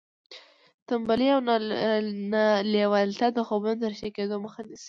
تنبلي او نه لېوالتیا د خوبونو د رښتیا کېدو مخه نیسي